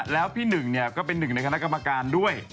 แล้วพี่หนึ่งก็เป็นหนึ่งในคณะกรรมการด้วย